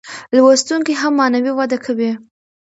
لوستونکی هم معنوي وده کوي.